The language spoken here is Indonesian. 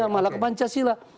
malah ke pancasila